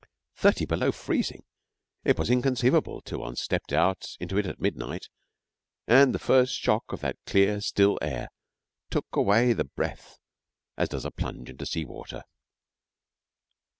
Thirty below freezing! It was inconceivable till one stepped out into it at midnight, and the first shock of that clear, still air took away the breath as does a plunge into sea water.